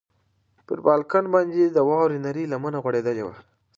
پر بالکن باندې د واورې نرۍ لمنه غوړېدلې وه.